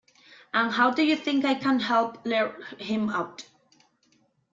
And how do you think I can help lure him out?